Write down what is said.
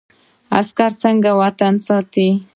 عسکر څنګه وطن ساتي؟